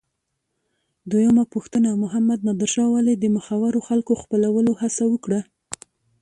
دویمه پوښتنه: محمد نادر شاه ولې د مخورو خلکو خپلولو هڅه وکړه؟